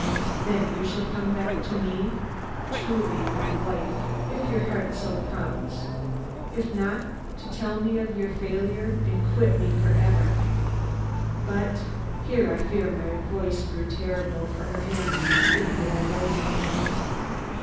Then you shall come back to me my true wife, if your heart so prompts; if not, to tell me of your failure and quit me for ever. But " Here I fear my voice grew terrible, for her hands instinctively rose again.